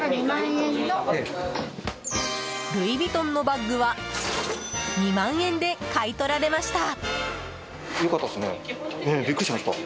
ルイ・ヴィトンのバッグは２万円で買い取られました。